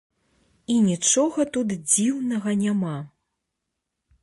І нічога тут дзіўнага няма.